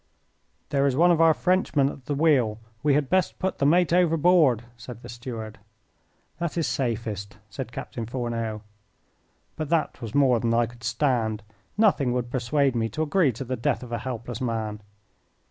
"There is one of our Frenchmen at the wheel. We had best put the mate overboard," said the steward. "That is safest," said Captain Fourneau. But that was more than I could stand. Nothing would persuade me to agree to the death of a helpless man.